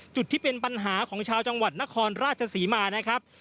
จุดที่เป็นปัญหาของชาวจังหวัดนครราชศรีมานะครับ